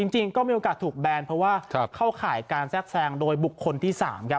จริงก็มีโอกาสถูกแบนเพราะว่าเข้าข่ายการแทรกแซงโดยบุคคลที่๓ครับ